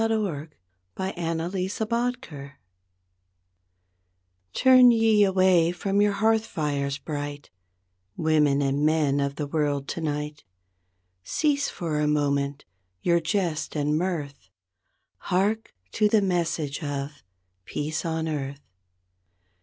CHRISTMAS TIDE Turn ye away from your hearth fires bright, Women and men of the world, tonight; Cease for a moment, your jest and mirth, Hark to the message of 'Teace on Earth''.